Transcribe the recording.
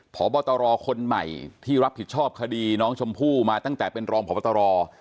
พบตรคนใหม่ที่รับผิดชอบคดีน้องชมพู่มาตั้งแต่เป็นรองพบตร